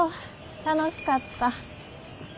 楽しかった。